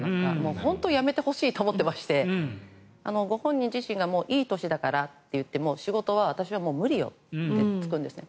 本当にやめてほしいと思っていましてご本人自身がもういい年だからって言って仕事は私はもう無理よって言うんですね。